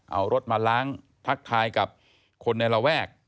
เอารถมาล้างทักทายกับคนในระแวก